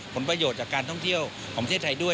ผลประโยชน์จากการท่องเที่ยวของประเทศไทยด้วย